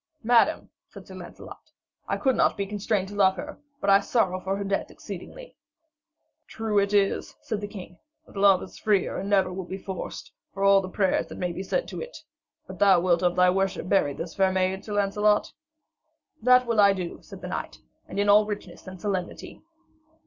'Madam,' said Sir Lancelot, 'I could not be constrained to love her, but I sorrow for her death exceedingly.' 'Truth it is,' said the king, 'that love is free and never will be forced, for all the prayers that may be said to it. But thou wilt of thy worship bury this fair maid, Sir Lancelot?' 'That will I do,' said the knight, 'and in all richness and solemnity.'